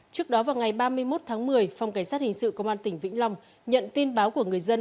trước đó vào ngày ba mươi một tháng một mươi phòng cảnh sát hình sự công an tỉnh vĩnh long nhận tin báo của người dân